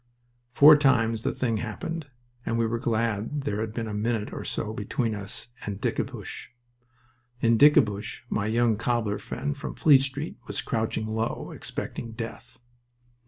Four times the thing happened, and we were glad there had been a minute or so between us and Dickebusch. (In Dickebusch my young cobbler friend from Fleet Street was crouching low, expecting death.)